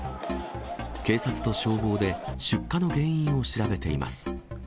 警察と消防で、出荷の原因を調べています。